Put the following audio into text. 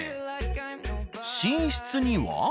寝室には。